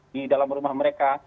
di dalam rumah mereka